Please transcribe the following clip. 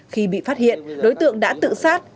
khi bị phát hiện đối tượng đã tự sát